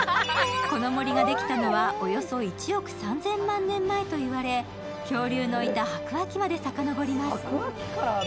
この森ができたのは、およそ１億３０００万年前と言われ恐竜のいた白亜紀までさかのぼります。